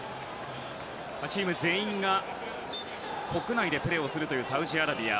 チーム全員が国内でプレーするサウジアラビア。